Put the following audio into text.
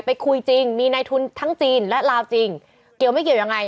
คุยจริงมีในทุนทั้งจีนและลาวจริงเกี่ยวไม่เกี่ยวยังไง